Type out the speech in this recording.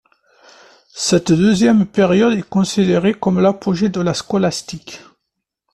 Cette deuxième période est considérée comme l'apogée de la scolastique.